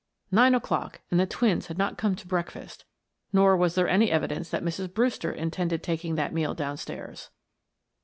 Nine o'clock and the twins had not come to breakfast, nor was there any evidence that Mrs. Brewster intended taking that meal downstairs.